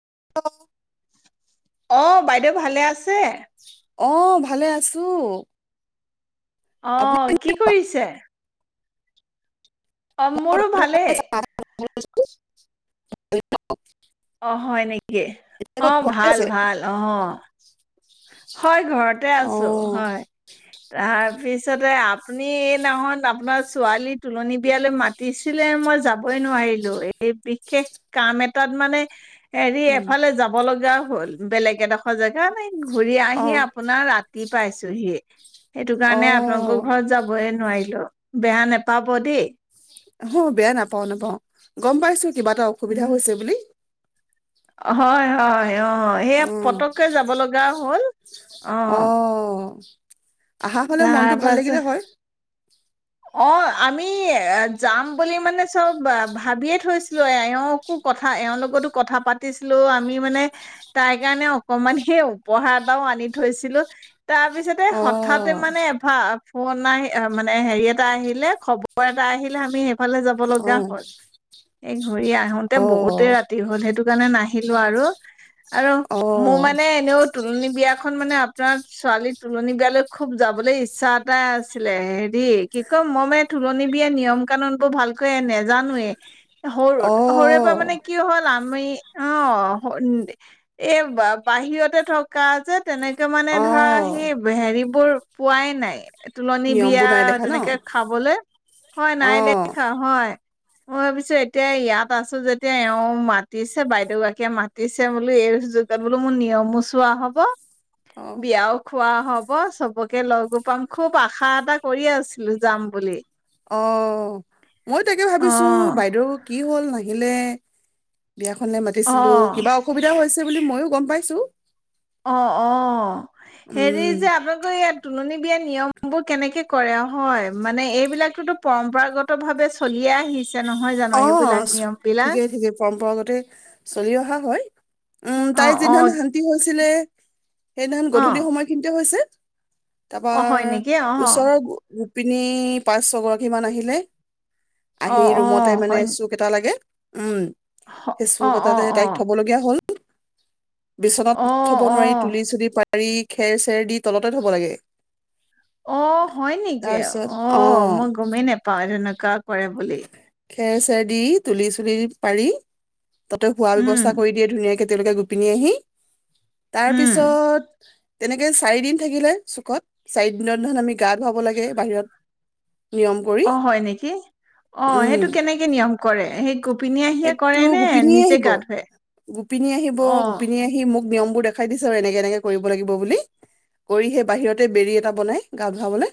[inaudible] অহ, বাইদেউ ভালে আছে? অহ, ভালে আছোঁ। অহ, কি কৰিছ চে। অহ, মোৰো ভালে ভালেই। আছে? [unintelligible] অহ, হয় নেকি, আগত অহ, ঘৰতে ভাল আছে? ভাল, অহ। হয়, ঘৰতে আছোঁ, অ', হয়, তাৰ পিছতে আ আপুনি এই নহয়, আপোনাৰ ছোৱালী তুলনী বিয়ালে মাতিছিলে, মই যাবই নোৱাৰিলোঁ এই বিশেষ কাম এটাত মানে হেৰি, উম, এফালে যাব লগা হ'ল, বেলেগ এডোখৰ জেগা নাই ঘুৰি আহি অ', আপোনাৰ ৰাতি পাইছোহি। সেইটো কাৰণে আপোনালোকৰ অ', ঘৰত যাবই নোৱাৰিলো, বেয়া নেপাব দেই। অহ, বেয়া নাপাওঁ নাপাওঁ, গম পাইছোঁ কিবা এটা অসুবিধা উম। হৈছে বুলি। হয়, হয়। অহ, সেয়া পটককে যাব লগা হ'ল। অ অহ। আহা হ'লে মনটো ভাল লাগিলে হয়। অহ, আমি যাম বুলি মানে চব ভাবিয়েই থৈছিলো, এওঁকো কথা এওঁৰ লগতো কথা পাতিছিলোঁ আমি মানে, তাই কাৰণে অকনমান সেই উপহাৰ এটাও আনি থৈছিলোঁ। তাৰপিছতে হঠাতে অ', মানে এফা অহ, নাই মানে হেৰিয়ে টা আহিলে, খবৰ এটা আহিলে আমি ফালে যাব লগা অ', হ'ল। এই ঘূৰি আহোতে বহুতেই অ', ৰাতি হ'ল সেইটো [unintelligible] কাণে নাহিলো আৰু। আৰু মোৰ অ', মানে এনেও তুলনী বিয়া [unintelligible] মানে আপোনাৰ ছোৱালী তোলনী বিয়ালৈ খুব যাবলৈ ইচ্ছা এটাই আছিলে হেৰি কি কয় মই মানে তোলনী বিয়া নিয়ম- কানুন বোৰ ভালকৈ নেজানোৱে। সৰুত সৰুৰে পৰা মানে অ', কি হ'ল আ আমি অ', স এই বা-বাহিৰতে থকা যে। তেনেকে মানে ধৰা অ', সেই হেৰি বোৰ পোৱাই নাই। তোলনী নিয়মবোৰ নাই বিয়াাত দেখা ন? তেনেকে খাবলৈ, হয় নাই অ', দেখা হয়। মই ভাবিছো এতিয়া ইয়াত আছো যেতিয়া এওঁ মাতিছে বাইদেউ গৰাকীয়ে মাতিছে বোলো এই সুযোগত বোলো মোৰ নিয়মো চোৱা হব, অ', বিয়াও খোৱা হব চবকে লগ পাম খুব আশা এটা কৰি আছো যাম বুলি। অ', মই তাকে অ ভাবিছো বাইদেউ কি হ'ল নাহ হিলে। বিয়াখনলৈ অ মাতিছিলো কিবা অসুবিধাহৈছে হেবুলি মইয়ো গম পাইছো। অ', অ', হেৰি উম যে আপোনালোকৰ ইয়াত তুলনী বিয়া নিয়ম বোৰ কেনেকে কৰে হয় মানে এইবিলাকতোতো পৰম্পৰাগত ভাৱে চলিয়ে আহিছে নহয় জানো এইবিলাক অ', নিয়ম বিলাক ঠিকেই ঠিকেই পৰম্পৰাগতে চলি অহা হয়, উম অ তাই অ যিদিনা শান্তি হ'ল ছিলে সেইদিনাখন অ গধূলি সময়খিনিতে হৈছে। অ তাপাৰ হয় নেকি অ ওচৰৰ গো গো পিনী পাঁচ ছগৰাকীমান আহিলে। অ', অ'। নে হয় চো কেটালাই কে উম। হ- অ সেইচুক অ এটাতে অ তাইক থব লগীয়া হ'ল। বিচনাত অ থব অ নোৱাৰি তুলি চুলি পা ৰি খেৰ চেৰ দি তলতে থব লাগে। অ' হয় নেকি অ', মই গমেই নেপাও তেনেকুৱা কৰে বুলি। খেৰ চেৰ দি তুলি চুলি পাৰি। তাতে শোৱা উম ব্যৱস্থা কৰি দিয়ে ধুনীয়াকে। তেওলোকে গোপিনী আহি তাৰ উম পিছত তেনেকে চাৰি দিন থাকিলে চুকত, চাৰি দিনত আমি গা ধুৱাব লাগে বাহিৰত। নিয়ম কৰি অহ হয় নেকি? অহ, উম সেইটো কেনেকে নিয়ম কৰে? সেই গোপিনীয়ে আহিয়ে কৰে সেইটো নে গোপিনীয়ে নিজে আহিব গাটো ধুৱে? গোপিনী আহিব অহ। গোপিনী আহি মোক নিয়মবোৰ দেখাই দিছে আৰু এনেকে এনেকে কৰিব লাগিব বুলি, কৰি সেই বাহিৰতে বেৰি এটা বনাই গা ধুৱাবলৈ,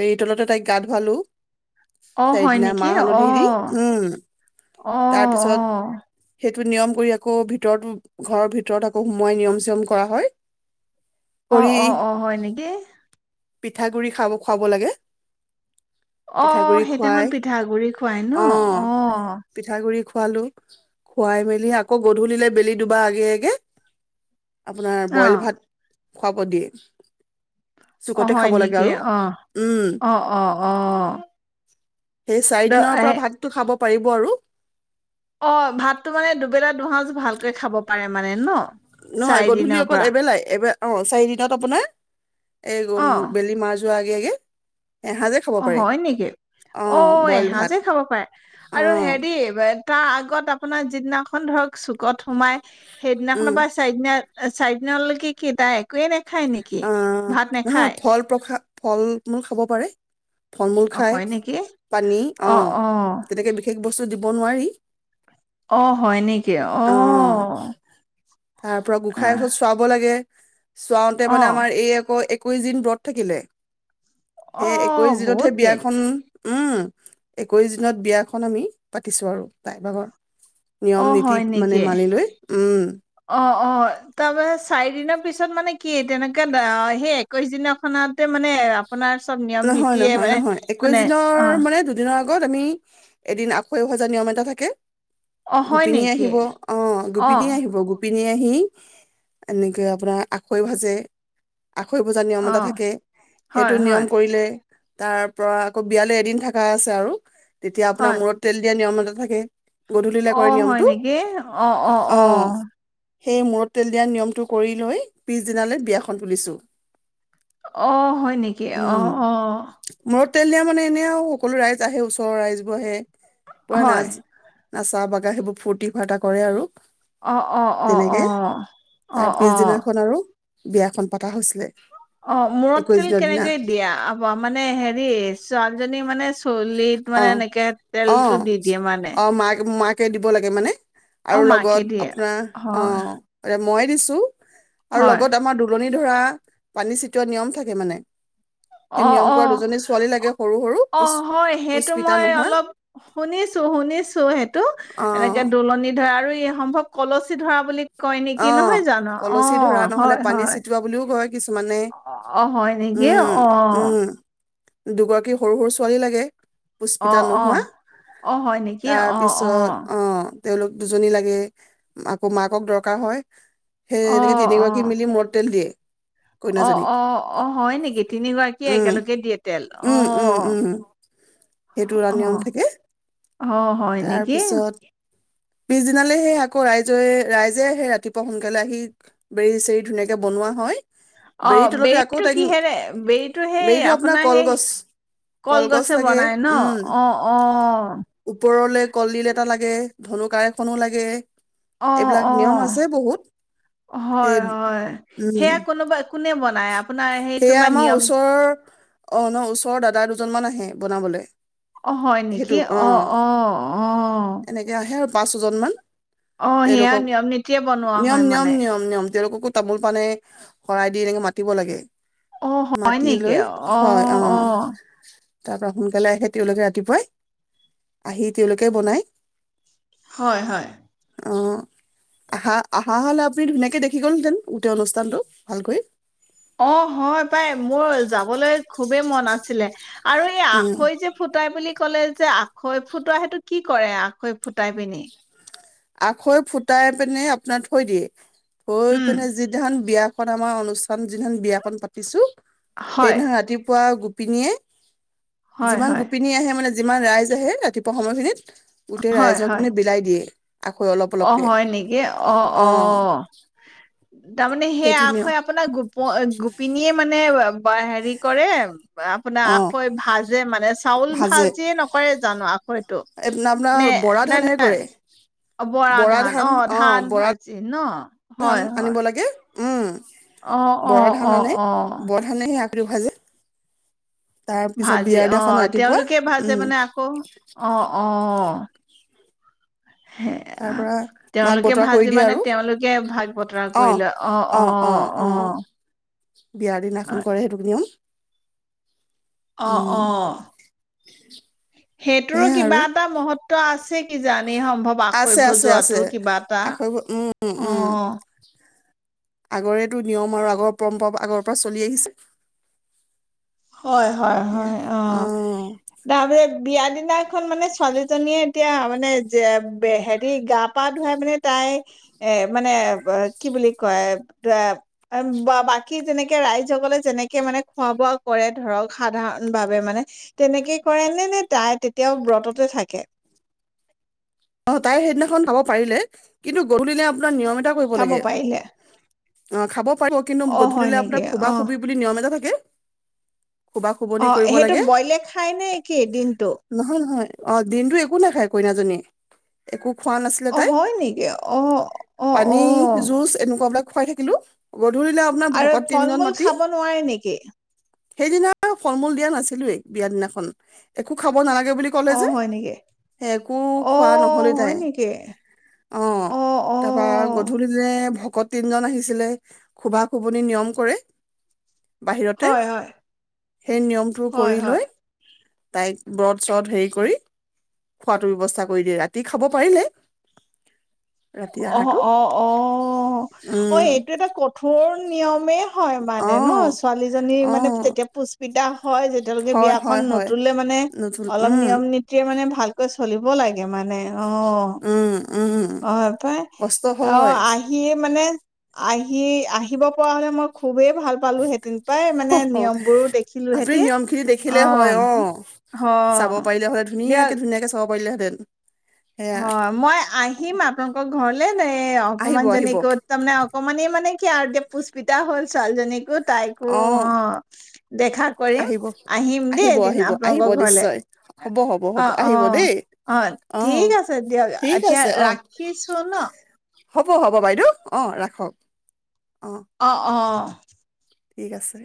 বেৰি তলতে তাইক গা ধুৱালো। অহ, হয় চাৰিদিনা নেকি। মাহ হালধি দি অহ, উম অহ, অহ। টো নিয়ম কৰি, আকৌ ভিতৰতো, ঘৰৰ ভিতৰত আকৌ সোমোৱাই নিয়ম-চিয়ম কৰা হয়। অহ কৰি অহ অহ, হয় নেকি? পিঠাগুৰি খাব খুৱাব লাগে। অহ, পিঠাগুৰি সেই খুৱাই সেইদিনাখন পিঠাগাগুৰি খুৱাই ন? অহ। গুৰি খুৱালোঁ, খুৱাই-মেলি আকৌ গধূলিলৈ বেলি দুবা আগে আগে আপোনাৰ অ বইল ভাত, খুৱাব দিয়ে। অহ, চুকতে হয় খাব লাগে নেকি। আৰু অহ, উম, অহ, অহ, অহ। সেই চাৰি দিনৰ পৰা ভাতটো খাব পাৰিব আৰু। অহ, ভাতো মানে দুবেলা দুসজ ভালকে খাব পাৰে। মানে ন নহয়, গধূলি চাৰিদিনৰ অকল পৰা এবেলাই। এবা অহ, চাৰি দিনত আপোনাৰ এই গম বেলি মাৰ যোৱা আগে আগে এসাঁজে খাব অহ, পাৰে হয় নেকি। অ', অহ, বইল ভাত এসাঁজেই খাব পাৰে। আৰু অ', হেৰি তাৰ আগত আপোনাৰ যিদিনাখন ধৰক চু কত সোমাই সেইদিনাখনৰ উম, পৰাই চাৰিদিনীয়া চাৰিদিনলৈকে কি তাই একোৱে নাখায় নেকি? অহ, ভাত নহয় নাখায়? ফল প্ৰখা ফল-মূল খাব পাৰে। ফল-মূল অ', খাই হয় নেকি? পানী, অ', অহ, অ', তেনেকে বিশেষ বস্তু দিব নোৱাৰি। অ', হয় নেকি অ', অহ। তাৰ চাওঁতে মানে আমাৰ এই আকৌ একৈশ দিন ব্ৰত থাকিলে। সেই একৈশ অ', দিনতহে বহুত দিন বিয়াখন উম, একৈশ দিনত বিয়াখন আমি পাতিছোঁ, আৰু তাই ভাগৰ। নিয়ম অ', নীতি হয় মানে নেকি। মানি লৈ উম অ', অ', তাৰমানে চাৰিদিনা পিছত মানে কি তেনেকে সেই একৈশ দিনা খানাতে মানে আপোনাৰ চব নিয়ম নহয, নীতিয়ে নহয, মানে নহয়, একৈশ মানে দিনৰ অ মানে দুদিনৰ আগত গত আমি, এদিন আখৈ ভজা নিয়ম এটা থাকে। অ হয় গোপিনী নেকি আহিব। অ', গোপিনী আহিব, গোপিনী নিয়েহি, এনেকে আপোনাৰ আখৈ ভাজে। আখৈ বজাৰ নিয়ম অ এটা থাকে। সেইটো হয় নিয়ম হয় তাৰ পৰা আকৌ, বিয়ালৈ এদিন থকা আছে আৰু তেতিয়া আপোনাৰ হয় মূৰত তেল দিয়া নিয়ম থাকে। গধূলিলে কৰে অ', হয় নিয়মটো নেকি অ', অ', অ'। সেই মূৰত তেল দিয়াৰ নিয়মটো কৰি লৈ, পিছদিনালৈ বিয়াখন তুলিছোঁ। অ', হয় নেকি কি, অ', অ। হোটেল দিয়া মানে এনেই আৰু, সকলো ৰাই আহে ওচৰৰ ৰাইজবোৰ আহে। পোৰা হয় নাজ আচা বাগা সেইবোৰ ফূৰ্তি ফাৰ্তা কৰে আৰু। অ', অ', অ', তেনেকে অ', তাৰ অ', অ। পিছদিনাখন আৰু বিয়াখন পতা হৈছিলে। অ', মূৰত একৈশ তেল দিনৰ দিনা কেনেকে দিয়া আবা, মানে হেৰি ছোৱালী জনী মানে চলিত অ মানে, এনেকে তেলতটো দি দিয়ে মানে। কে দিব লাগে মানে। অ আৰু মাকে লগত দিয়ে আপোনাৰ হয় অ মই দিছোঁ। আৰু হয় লগত আমাৰ দল ধৰা পানী চটিওৱা নিয়ম থাকে মানে। সেই অ নিয়ম অ কৰা দুজনী ছোৱালী লাগে সৰু- সৰু অ হয় - সেইটো মই অলপ শুনিছো- শুনিছো সেইটো অ এনেকে দুলনিত- সেয়া আৰু এই সম্ভৱ কলচী ধৰা বুলি- কয় নেকি অ নহয় জানো? কলচী ধৰা অ- নহলে হয়- পানী হয়। ছিটোৱা বুলিও কয় কিছুমানে অ'- অ' হয় নেকি? উম অ উম দুগৰাকী সৰু সৰু ছোৱালী লাগে। পুস্পিতা অ'- অ' নোহোৱা -অ' হয় নেকি তাৰ পিছত অ'-অ'। অ তেওঁলোক দুজনী লাগে, আকৌ মাকক দৰকাৰ। থকা হয়- সেই অ এনেকে অ তিনিগৰাকী মিলি মদ তেল দিয়ে অ' কইনাজনীক অ' অ' হয় নেকি? তিনিগৰাকীয়ে উম একেলগে দিয়ে তেল উম, উম, অ' উম, সেইটো এটা নিয়ম অ'। থাকে। অ' হয় তাৰ নেকি? পিছত পিছদিনালে সেই আকৌ ৰাইজে, ৰাইজে সেই ৰাতিপুৱা সোনকালে আহি বেৰি চেৰি ধুনীয়াকে বনোৱা হয়। বেৰি অ' তলতে আকৌ বেৰিটো তাইক কিহেৰে বেৰিটো সেই আপোনাৰ সেই কলগছ কলগছেৰে লাগে বনাই ন? অ' অ'। ওপৰলৈ কলডিল এটা লাগে, ধনু -কাড় এখনো লাগে। অ' এইবিলাক অ' নিয়ম আছে বহুত সেই হয় হয় উম, সেইয়া কোনোবা কোনে বনাই আপোনাৰ সেই সেয়া কোনোবা আমাৰ নিয়ম ওচৰৰ, অ' ন ওচৰৰ দাদা দুজনমান আহে। আহে বনাবলৈ। অ' হয় নেকি, অ' অ' অ'। এনেকে আহে আৰু পাঁচ ছয়জন মান। অ' সেয়া তেওঁলোকক নিয়ম নীতিয়ে বনোৱা হয় মানে? তেওঁলককো তামোল পানেৰে শৰাই দি এনেকে মাতি মাতিব লাগে। অ' হয় মাতি নেকি? লৈ হয় অ' অ'। তাৰ পৰা সোনকালে আহে তেওঁলোকে ৰাতিপুৱাই। আহি তেওঁলোকে বনায়। হয় হয়। অ' আহা, অহা হ'লে আপুনি ধুনীয়াকৈ দেখি গ'ল হেতেন গোটেই অনুষ্ঠানটো ভালকৈ। অ', হয় পাই, মোৰ যাবলৈ খুবেই মন আছ ছিলে। আৰু এই উম আখৈ যে ফুটাই বুলি ক'লে যে আখৈ ফুটোৱা সেইটো কি কৰে আখৈ ফুটাই পিনি? আখৈ ফুটাই পিনে আপোনাৰ থৈ দিয়ে। থৈ উম পিনে যিদিনাখন বিয়া এখন আমাৰ অনুচ যিদিনাখন বিয়াখন পাতিছোঁ, হয় সেইদিনাখন ৰাতিপুৱা আও গোপ পিনিয়ে হয় যিমান হয় গোপিনী আহে মানে যিমান ৰাইজ আহে, ৰাতিপুৱা সময়খিনিত গোটেই হয় ৰাইজক হয় মানে বিলাই দিয়ে। আখৈ অলপ অ' অলপকে হয় নেকি? অ, অ তাৰমানে সেই সেইটো নিও আখৈ আপোনাৰ গোপ গোপিনীয়ে মানে এ, বা হেৰি কৰে আপোনাৰ অ আখৈ ভাঁজে মানে, চাউল ভাজে ভাঁজিয়ে নকৰে জানো আখৈটো? এপ- আপোনাৰ নে বৰা নাই ধানেৰে নাই- কৰে বৰা ধান অ', ধান ভাজি ন' ধান হয়, হয়। আনিব লাগে উম। অ', অ', অ', অ' ভাঁজে ভাজে অ', ৰাতিপুৱা তেওঁলোকে ভাজে উম মানে আকৌ। অ', অ'। সে তাৰ পৰা ভাগ তেওঁলোকে বতৰা কৰি ভাজি দিয়ে মানে আৰু। তেওঁলোকে ভাগ বতৰা কৰি অ', লয় অ', অ', অ', বিয়াৰ দিনাখন কৰে সেইটো নিয়ম। অ', উম অ'। সেইটোৰো সেয়াই কিবা আৰু এটা মহত্ব আছে কিজানি সম্ভৱ আশৈ আছে আছে আছে ভজাৱাটো কিবা এটা, আখৈ বোৰ- উম অ'। আগৰেটো নিয়ম আৰু আগৰ পৰম্পৰা, আগৰ পৰা চলি আহিছে। হয় হয় সেয়া হয়, অ', তাপৰে বিয়া দিনাখন মানে ছোৱালীজনীয়ে এতিয়া মানে যে হেৰি গা পা ধুৱাই মানে তাই, এ, মানে কি বুলি কয়, বাকী যেনেকে ৰাইজসকলে যেনেকে মানে খোৱা বোৱা কৰে ধৰক সাধাৰণ ভাৱে মানে, তেনেকে কৰে নে, নে তাই তেতিয়াও ব্ৰততে থাকে? অ', তাই সেইদিনাখন খাব পাৰিলে, কিন্তু গধূলিলে কিবা নিয়ম এটা কৰিব খাব লাগে পাৰিলে অ', খাব পাৰিব কিন্তু অ হয় গধূলিলে নেকি আপোনাৰ খোবা অ খুবি নিয়ম এটা থা কি? অ', সেইটো ব'ইলে খাই নে কি দিনটো? নহয় নহয় অ', দিনটো একো নাখায় কইনাজনী। একো খোৱা নাছিলে অ', তাই হয় নেকি অহ, অহ, পানী অহ। জুচ এনেকুৱা বিলাক খুৱাই থাকিলো। গধূলিলে আপোনাৰ আৰু ভকত তিনজন ফল-মূল মাতি খাব নোৱাৰি নেকি? সেইদিনা ফল মূল দিয়া নাছিলোৱে, বিয়া দিনাখন, একো খাব কৰিব নালাগে বুলি ক'লে অ যে। হয় নেকি সে একো অ খোৱা নহলেই হয় তাই, নেকি অ', তাৰাপা গধূলি যে ভকত তিনজন আহিছিলে, খোবা খোবনি নিয়ম কৰে। বাহিৰতে, হয় হয় সেই নিয়মটো হয় কৰি হয় লৈ তাইক ব্ৰদ চ্ৰদ হেৰি কৰি, খোৱাতো ব্যৱস্থা কৰি দিয়ে ৰাতি খাব পাৰিলে। ৰাতি অ', আহাৰটো অ', অ', উম এইটো এটা কঠোৰ নিয়মে হয় মানে অ ন'? ছোৱালীজনী অ মানে যেতিয়া পুষ্পিতা হয় যেতিয়ালোকে হয় বিয়াখন হয় হয় নতুলে মানে নতুন অলপ উম নিয়ম নীতিয়ে মানে ভালকৈ চলিব লাগে মানে। অ'। উম উম হয় পায়, কষ্ট অ', হয় আহিয়ে মানে আহি আহিব পৰা হ'লে মই খুবেই ভাল পালো হেতিন প্ৰায় মানে নিয়মবোৰো দেখিলো আপুনি হেতিন, নিয়ম খিনি অ, দেখিলে হয় অ, চাব পাৰিলে হ'লে ধুনীয়াকে দিয়ক ধুনীয়াকে [unintelligible] সেয়া হয়, মই আহিম আপোনালোকৰ ঘৰলে এ, আহিব অকমান আহিব জনীকো তাৰমানে অকমানি মানে কিআৰু এতিয়া পুষ্পিতা হ'ল ছোৱালীজনীকোত তাইকো অ দেখা কৰিম, আহিব আহিম দেই আহিব এদিন আহিব আহিব আপোনালোকৰ ঘৰলে। নিশ্চয় হ'ব হ'ব হ'ব অ', আহিব অ', দেই অ', ঠিক আছে দিয়ক, ঠিক এতিয়া আছে অ ৰাখিছো ন'। হ'ব, হ'ব, বাইদেউ, অ ৰাখক। অ', অ'। ঠিক আছে।